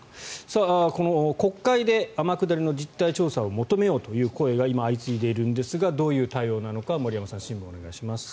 国会で天下りの実態調査を求めようという声が今、相次いでいるんですがどういう対応なのか森山さん、新聞をお願いします。